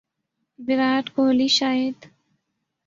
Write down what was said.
Virat Kohli Shahid